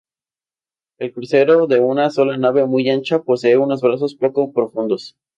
El crucero de una sola nave muy ancha, posee unos brazos poco profundos.